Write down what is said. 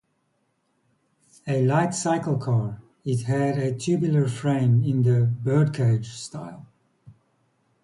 A light cyclecar, it had a tubular frame in the "birdcage" style.